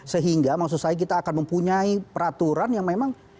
sehingga maksud saya kita akan mempunyai peraturan yang memang